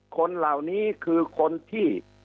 คนเหล่านี้คือคนที่